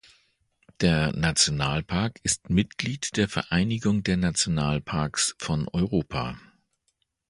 Der Nationalpark ist Mitglied der Vereinigung der Nationalparks von Europa.